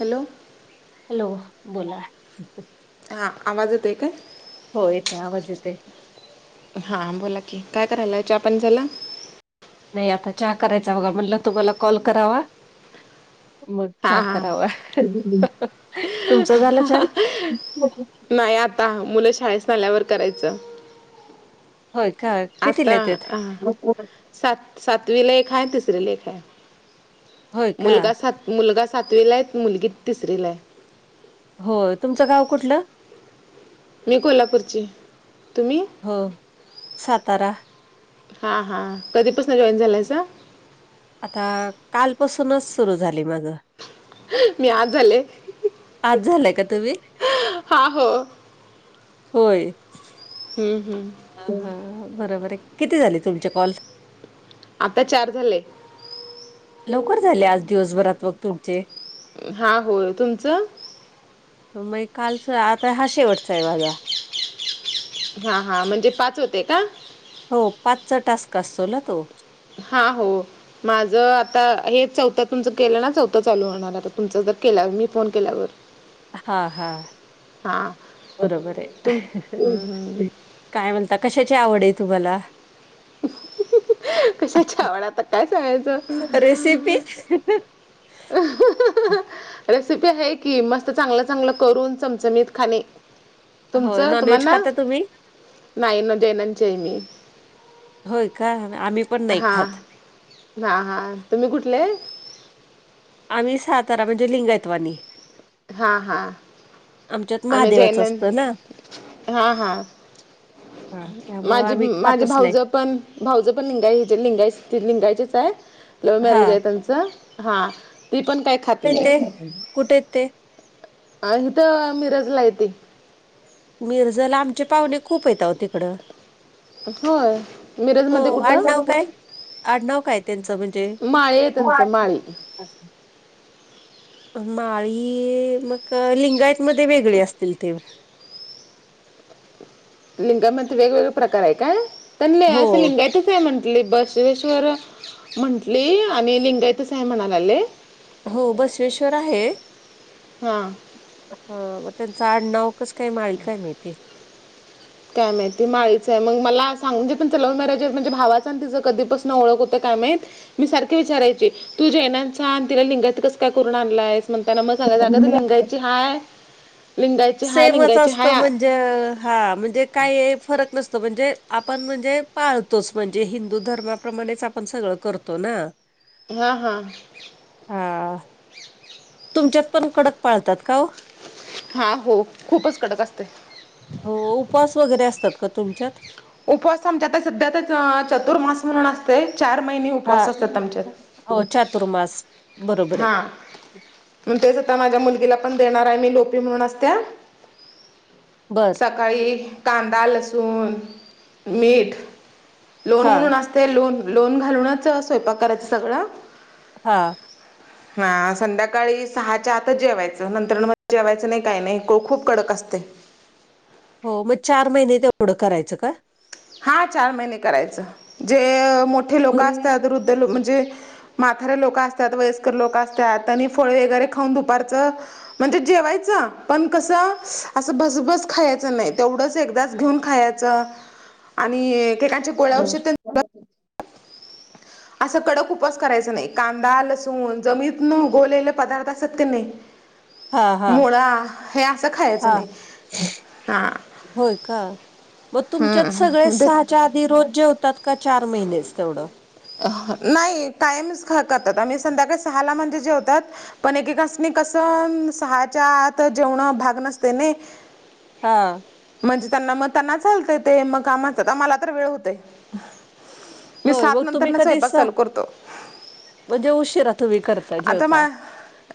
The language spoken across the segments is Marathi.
हॅलो हॅलो बोला. हा आवाज येत आहे काय? हो येतो आवाज येतोय. हां बोला की काय करायला? चहा पाणी झाला? नाही आता चहा करायचा बघा म्हटलं तुम्हाला कॉल करावा. मग हां चा हां करावा. तुमचं झालं चहा? त मुलं शाळेत आल्यावर करायचं. होय का. कितीला आता येतात? हां सात सातवीला एक आहे. तिसरीला एक आहे. होय का मुलगा सात मुलगा सातवीला आहे. मुलगी तिसरीला आहे. होय. तुमचं गाव कुठलं? मी कोल्हापूरची. तुम्ही? हो सातारा. हां हां कधीपासून जॉईन झाला आहेसा? आता कालपासूनच सुरू झाली माझं. मी आज झाले. आज झालाय का तुम्ही? हां हो होय. हम्म हम्म. बरोबर आहे. किती झाले तुमचे कॉल? आता चार झाले. लवकर झाले आज दिवसभरात मग तुमचे. हा होय. तुमचं? मग कालच आता हा शेवटचा आहे माझा. हा हा म्हणजे पाच होते का? हो पाचचा टास्क असतो ना तो हा, हो. माझं आता हे चौथं तुमचं केलं ना चौथं चालू होणार आता तुमच जर केल्यावर मी फोन केल्यावर हा हा हा बरोबर तुम हम्म, आहे. हम्म. काय म्हणता कशाची आवड आहे तुम्हाला? ह, कशाच्या आवड आता काय सांगायचं ह, बरी आहे रेसिपी अ हम्म हम्म [unintelligible] [unintelligible] रेसिपी आहे की मस्त चांगलं चांगलं करून चमचमीत खाणे. हो तुमचं तुम्हा नॉनव्हेज ना खाता तुम्ही? ना ना जैनांचे आहे मी. होय का आम्ही पण नाही खात. हा हा तुम्ही कुठलाय? आम्ही सातारा म्हणजे लिंगायतवानी. हा, हा आमच्यात आम्ही महादेवाचं जैनंद असतं ना हा, हा. हा त्यामुळं माझी आम्ही माझी खातच नाही भाऊजय पण भावजय पण लिंगाय- लिंगायच -लिंगायचेच आहे लव्ह हा मॅरेज आहे त्यांचं. हा ती पण काय खात कुठ नाही आहेत ते, कुठे आहेत ते? आ इथ मिरजला आहे इथं. मिरजला आमचे पाहुणे खूप आहेत आव तिकडं. होय मिरजमध्ये कुठं? आडनव काय त्यांचं म्हणजे, माळी हो त्यांचं आहे माळी की माळी मग लिंगायत मध्ये वेगळी असतील ते, लिंगामध्ये वेगवेगळे प्रकार आहे काय पण ल हो असं लिंगाचे आहे म्हंटली बसवेश्वर म्हंटली आणि लिंगायत सा आहे म्हणाले. हो बसवेश्वर आहे. हां म त्यांच आडनाव कस काय माळी काय माहिती. काय माहिती ती माळीचं आहे, मग मला सांगून पणचं लव्ह मॅरेजे म्हणजे भावाचं आणि कधीपासून ओळख होतं काय माहीत. मी सारखे विचारायचे तू जैनांचा आणि तिला लिंगात कस काय करून आणलायस. म्हणताना मग सांगायचं अगं लिंगायची हाय, लिंगायची हाय, लिंगायची हाय. जे हा म्हणजे काय फरक नसत म्हणजे आपण म्हणजे पाळतोच म्हणजे हिंदू धर्माप्रमाणेच आपण सगळं करतो ना. हा हा. हा तुमच्यात पण कडक पाळतात का ओ? हा हो खूपच कडक असते हो उपवास वगैरे असतात का तुमच्यात? उपवास आमच्या आता सध्यातच चतुर्मास म्हणून असते चार महिने हा उपवास असतात आमच्यात. हो चातुर्मास. बरोबर आहे हा मग तेच आता माझ्या मुलगीला पण देणार आहे मी पण लोपी म्हणून असत्या. बरं! सकाळी कांदा, लसूण, मीठ लोणी हा म्हणून असत. ते लोन -लोन घालूनच स्वयंपाक करायचं सगळं. हा. हा संध्याकाळी सहाच्या आतच जेवायचं नंतर जेवायचं नाही काही नाही खूप कडक असते. हो मग चार महिने तेवढं करायचं का? हा चार महिने करायचं जे मोठे लोक असतात, वृद्ध लोक म्हणजे म्हतारे लोकं असतात, वयस्कर लोक असतात, त्यांनी फळे वगैरे खाऊन दुपारचं म्हणजे जेवायचं पण कसं असं बसबस खायचं नाही तेवढंच एकदाच घेऊन खायचं. आणि एके एकाच गोळ्या औषध बरोबर तेन असा कडक उपवास करायचा नाही कांदा लसूण जमीतून उघवलेले पदार्थ असत की नाही. [inaudible] हा मुळा हे असं खायचं हा नाही हा. होय का, मग तुमच्यात हम्म सगळे म्हणजे सात च्या आधी रोज जेवतात की चार महिनेच तेवढं. नाही कायमच खातात आम्ही संध्याकाळी सहाला म्हणजे जेवतात. पण एकेकासनी कसं सहाच्या आत जेवण भाग नसते नाही. हा. म्हणजे त्यांना मग त्यांना चालत ते मग कामाच मला तर वेळ होतय. होय मग तुम्ही कधी स्वयंपाक सा चालू करतो म्हणजे उशिरा तुम्ही करता आता जेवता. मा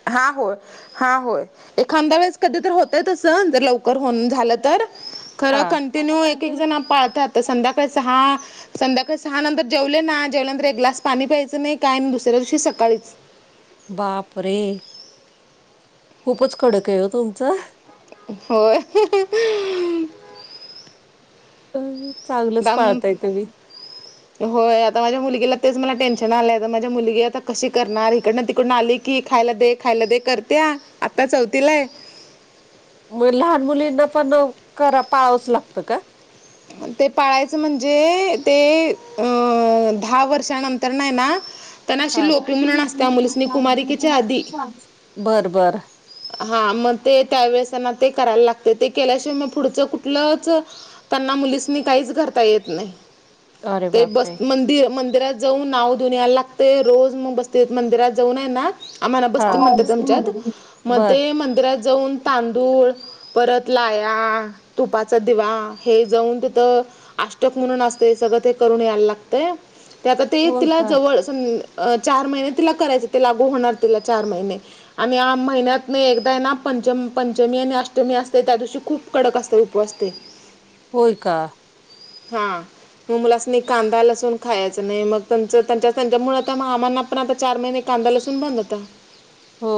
हा होय. हा होय. एखाद्या वेळेस कधी तर होत असं जर लवकर होन झालं तर. खरं हा. कंटिन्यू एक एक जण पाळतात तर संध्याकाळच हा. संध्याकाळी सहा नंतर जेवले ना जेवल्यानंतर एक ग्लास पाणी प्यायचं नाही काय दुसऱ्या दिवशी सकाळीच. बाप रे. खूपच कडक आहे हो तुमच. होय हम्म. अ चांगलंच दम पाळताय तुम्ही. होय आता माझ्या मुलगीला तेच मला टेन्शन आलंय माझ्या मुलगी आता कशी करणार इकडून तिकडून आली. की खायला दे खायला दे करते आता चौथीलाय. मग लहान मुलींना पण जरा पाळावच लागतं का. ते पाळायचं म्हणजे ते अ दहा वर्षानंतर नाही ना. त्यांना अशी हा. लोपी म्हणुन असत त्या मुलसिनी कुमारिकेच्या आधी. बरं बरं. हा मग ते त्यावेेळेस त्यांना ते करायला लागते ते केल्याशिवाय मग पुढच कुठलंच. त्यांना मुलीसनी काहीच धरता येत नाही अरे ते बस बापरे मंदिर मंदिरात जाऊन नाव देऊन यायला लागतेय रोज मग बसते मंदिरात जाऊन आहे ना. आम्हाला हा. बस्ती म्हणतात आमच्यात मग बर ते मंदिरात जाऊन तांदूळ परत लाया तुपाचा दिवा हे जाऊन तिथं अष्टक पणून असते सगळं ते करून यायला लागतय ते आता ते होय तिला का जवळ चार महिने ते तिला करायचे लागू होणार त चार महिने आणि या महिन्यात महिन्यात एकदा आहे ना पंचमी आणि अष्टमी असते त्या दिवशी खूप कडक असते उपवास असते. होय का. हा. मग मुलासनी कांदा लसून खायचं नाही मग त्यांच्या त्यांच्या मुळ तर आम्हाला पण आता चार महिने कांदा लसून बंद आता हो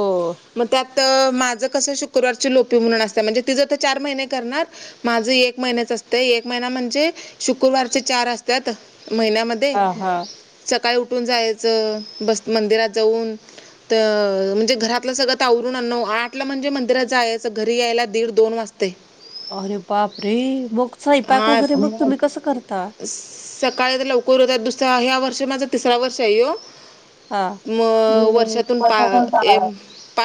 मग त्यात. माझं कसं शुक्रवारची लोपी म्हणुन असतात म्हणजे तिच तर चार महिने करणार. माझं एक महिनाच असते एक महिना म्हणजे शुक्रवारचे चार असतात महिन्यामध्ये. हा हा. सकाळी उठून जायचं बस मंदिरात जाऊन. म्हणजे घरातलं सगळं त आवरून आठ ला म्हणजे मंदिरात जायच घरी यायला दीड दोन वाजतात. अरे बाप रे मग स्वयंपाक हा वगैरे मग तुम्ही कसं करता. सकाळी तर लवकर होतात दुसरा ह्या वर्ष माझा तिसरा वर्ष आहे हो. हां. मग वर्षातून पाच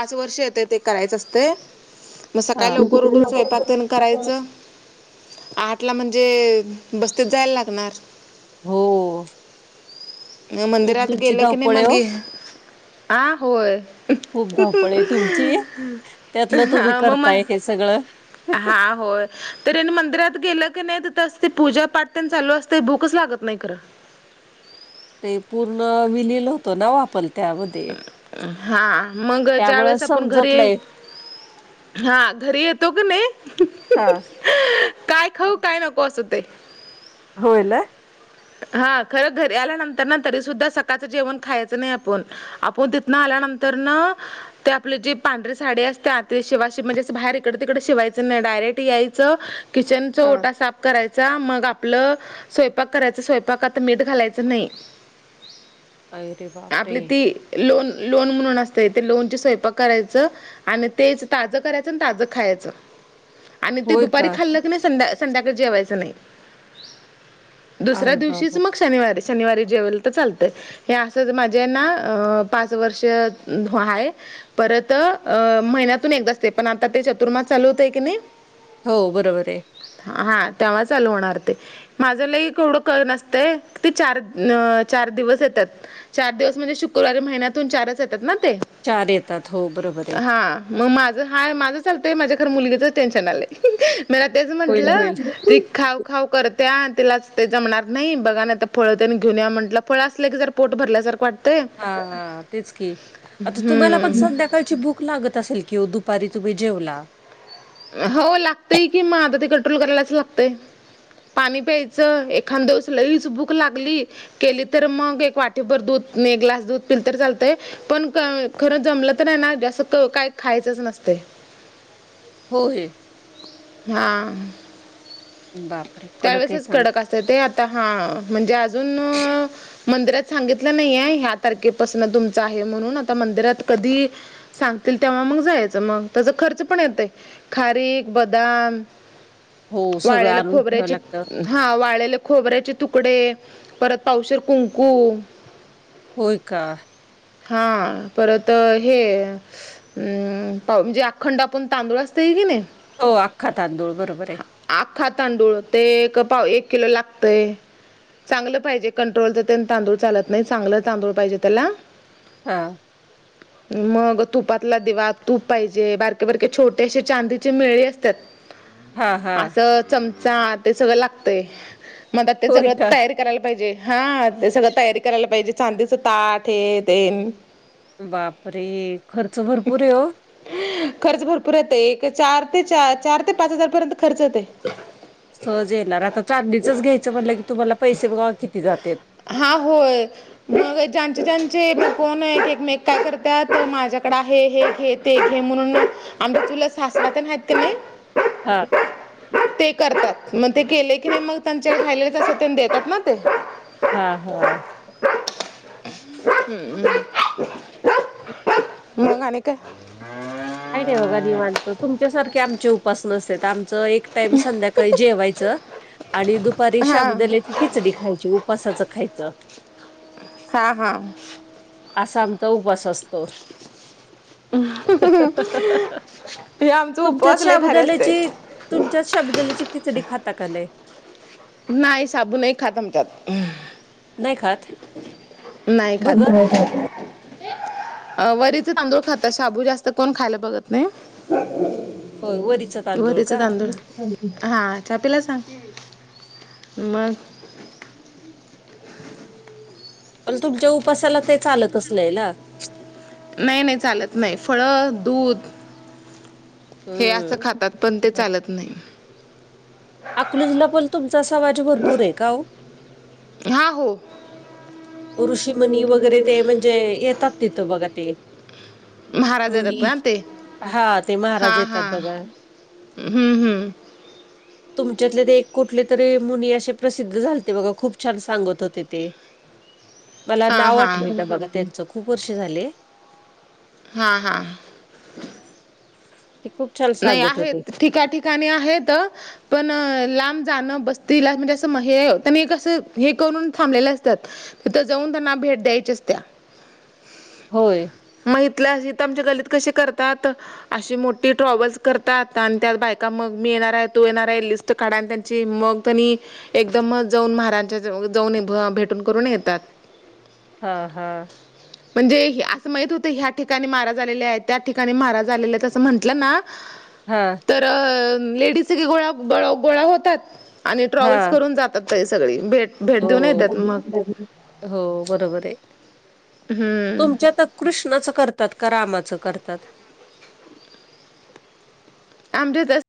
पाच वर्ष येत ते करायचं असते मग हां. सकाळी लवकर उठून स्वयंपाक आणि करायचं. आठ ला म्हणजे बसतीत जायला लागणार. हो. खूप मंदिरात तुमची गेलं की नाही धावपळ आहे मग हो. आ होय. खूप धावपळ तुमची त्यातलं तुम्ही हा मग म करताय हे सगळ. कनी मंदिरात गेलं की नाही तिथ असते पूजा पाठ त्यांनी चालू असते भूकच लागत नाही खरं. ते पूर्ण विलील होतं ना ओ आपण त्यामध्ये हा मग ज्या त्यामुळं वेळेस आपण समजत घरी. नाही. हा घरी येतो की नाही हां. काय खाऊ काय नको असं होते. होय ना. हा खरं घरी आल्यानंतर ना तरी सुुद्धा सकाळचं जेवण खायचं नाही आपण आपण तिथनं आल्यानंतर न ते आपली जी पांढरीे सांडी असते आंत शिवायचं म्हणजे बाहेर इकडं तिकडे शिवायचं नाहीं डायरेक्ट यायचं किंचनचा हां. ओटा साफ करायंचा मंग आपलं स्वयंपाक करायचं स्वयंपाकांत मीठ घालायचं नाहीं अरे बापरे! आपलीं ती लोन लोन म्हणूंन असतं ते लोन स्वयंपाक करायचं आणि तेचं ताजं करायचं आणि ताजं खायचं [unintelligible] आणि ते दुपारी का? खाल्लं की नाहीं संध्या संध्याकाळी जेवायचं नाहीं अरे दुसऱ्यां दिवशीच बाप! मंग शनिवारी शनिवारी जेवंल तरं चालतंय हे असंच माझ्या आहेनं पांच वर्ष आहे परंत अ महिन्यांतून एकदाचं असतें पणं आता ते चातुर्मास चालूं होतंय की नाहीं हो बरोबर आहे हां तेंव्हा चालूं होणारं ते माझं लंय एवढं कांहीं नसते ते चार चार दिवंस येतांत चार दिवंस म्हणजे शुक्रवार महिन्यांतून चारचं येतांत नां ते चार येतांत हो बरोबर आहे मंग माझं हाय माझं चालतंय माझ्यां खरं मुलगीचचं टेन्शन आलंय मंला तेचं होईल, म्हंटलं होईल. ती खाऊं खाऊं करत्यां तिला ते जमणांर नाहीं बघां आता फळं त्यांनीं घेऊन यां म्हटलं फळं असलं की जरं पोट भरल्यां जरं वाटतं हां हां तेचं की आता तुम्हांला पणं हम्म संध्या सकांळची भूकं लागतं असेल की दुपारी तुम्हीं जेवला हो लागतंय कि मंग आता ती कंट्रोल करायलांच लागतंय पाणी प्यायचं एखांदवंस लईच भूकं लागली केली तरं मंग एक वाटीभर दूधं एक ग्लास दूधं पिल तरं चालतंय पणं खरं जमलं तरं नाहीं नां जास्तं कांहीं खायंचच नसते हो ये हां बापरे आहे त्यांवेेळेसच चांगलं. कडक असतं ते आता हां म्हणजे अजूंन मंदिरांत सांगितलं नाहीये ह्या तारखेपांसून तुमचं आहे म्हणूंन आता मंदिरांत कधीं सांगतील तेंव्हा मंग जायचं मंग त्यांचा खर्च पणं येतं आहे खारीख बदाम हो सगळं आ वाळलेल्या आंणून ठेवां खोबऱ्याचे लागतं हां वाळले खोबऱ्यांचे तुकडे परंत पावशीर कुंकू होयं कां हां परंत हे हम्मं पां म्हणजे अखंड आपणं तांदूळ असतेई कि नाहीं हो आख्खां तांदूळ बरोबर आहे आख्खां तांडूळ ते पाव एक किलो लागतंय चांगलं पाहिजे कंट्रोलच ते तांदूळ चालतं नाहीं चांगलं तांदूळ पाहिजे त्यांला हां मंग तुपांतला दिवा तूंप पाहिजे बारके बारके छोटे असे चांदीचे मेळे असतांत हां हां. असं चमचां ते सगळं लागतंय मंग ते होय सगळं का? तयारी करायंला पाहिजे हां ते सगळं तयारी करायंला पाहिजे चांदीच तांट हे तेम बापरे खर्च भरंपूर आहे हो खर्च भरपूर येतोय, एक चार ते चार ते पाच- हजार पर्यंत खर्च येतोय. सहज येणार आता चांदीच घ्यायचं म्हटलं की तुम्हाला पैसे बघा किती जात्यात. हा होय, मग ज्यांच, ज्याचं ते, कोण हाय एकमेका करत्यात माझ्याकड आहे हे घे ते घे म्हणून आमचं तुला सासरा तेन हायत कणी हा ते करतात मग ते केले की नाही मग त्यांचे खायला अस देतात ना ते हा, हा ह् मंग आणि काय? आहे जेव बघा निवांत तुमच्यासारखे आमचे उपास नसत्यात आमचं एक टाइम संध्याकाळी जेवायचं आणि दुपारी हा साबुदाण्याची खिचडी खायची उपासाचं खायचं. हा, हां असा आमचा उपास असतो. हे आमचं तुमच्यात उपवास लय भारी असते शाबुदाण्याची तुमच्यात साबुदाण्याची खिचडी खाता का नाही? नाही साबु नाही खात आमच्यात. नाही खात? नाहीय खात! भगर नाही खात. अ, वरीचे तांदूळ खाता शाबू जास्त कोण खायला बघत नाही. हो वरीच तांदूळ का. छापेला सांग, मग पण तुमच्या उपासाला ते चालतच नाही ना? नाही, नाही चालत नाही फळ दूध हे असं हम्म. खातात पण ते चालत नाही. अकलुजला पण तुमचा समाज भरपूर आहे का ओ? हा, हो! ऋषीमुनी वगैरे ते म्हणजे येतात तिथं बघा ते. महाराज येतात मुनी, ना ते हा ते हा महाराज येतात हा बघा. हम्म, हम्म [inaudible] तुमच्यातले ते एक कुठले तरी मुनी असे प्रसिद्ध झालते बघा खूप छान सांगत होते ते. मला हा नाव हा आठवेना बघा त्यांचं खूप वर्ष झाले. हा, हा ते खूप छान नाही सांगत आहेत, होते. ठिका -ठिकाणी आहेत. पण लांब जाणं बस्तीला म्हणजे असं हे, त्यांनी कसं हे करून थांबलेलं असत्यात. तिथं जाऊन त्यांना भेट द्यायची असतीया. होय मग इथल्या इथं, आमच्या गल्लीत कशी करतात अशी मोठी ट्रॉव्हल्स करतात आणि त्यात बायका मग मी येणार हाय तो येणार हाय लिस्ट काढा आणि त्यांची मग त्यांनी एकदम जाऊन महारांच्या जाऊन भेटून करून येतात. हा, हा म्हणजे असं माहित होत ह्या ठिकाणी मराज आलेल्या आहेत त्या ठिकाणी माराज आलेल्या आहेत असं म्हणत म्हलं ना हा तर लेडीज सगळ्या गोळा, गळा, गोळा होतात आणि ट्रॅव्हल्स हां करून जात आता हे सगळी भेट भेट देऊन येतात हो, मग हो बरोबर आहे. हम्म तुमच्यात कृष्णाचं करतात, का रामाचं करतात? [unintelligible]